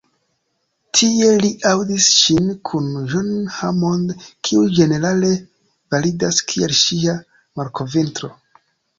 Tie li aŭdis ŝin kun John Hammond, kiu ĝenerale validas kiel ŝia „malkovrinto“.